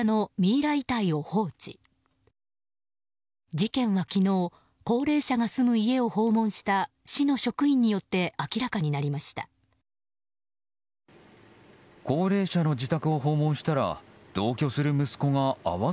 事件は昨日高齢者が住む家を訪問した市の職員によって明らかになりました。